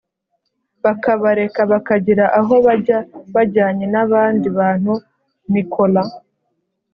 bakabareka bakagira aho bajya bajyanye n abandi bantu nicholas